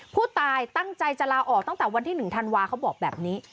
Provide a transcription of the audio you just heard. ผู้ตายตั้งใจจะลาออกตั้งแต่วันที่๑ธันวาเขาบอกแบบนี้